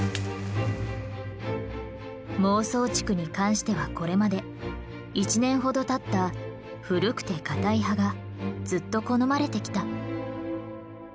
孟宗竹に関してはこれまで１年ほどたった古くて硬い葉がずっと好まれてきた。